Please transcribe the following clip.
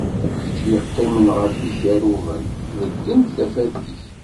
Kečč yeqqimen ɣef yikerruben, beyyen-d tafat-ik!